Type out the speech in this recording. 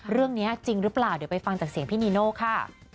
เรื่องนี้จริงหรือเปล่าเดี๋ยวไปฟังจากเสียงพี่นีโน่ค่ะ